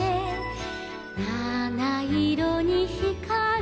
「なないろにひかる」